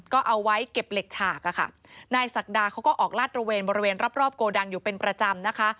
ก็เอาไว้เก็บเหล็กฉากอะค่ะนายศักดาเขาก็ออกลาดระเวนบริเวณรอบรอบโกดังอยู่เป็นประจำนะคะ